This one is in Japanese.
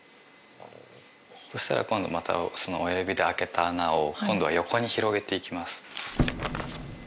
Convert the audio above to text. そしたら今度親指であけた穴を今度は横に広げていきます